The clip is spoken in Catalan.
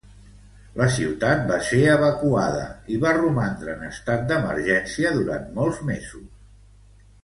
La ciutat va ser evacuada i va romandre en estat d'emergència durant molts mesos.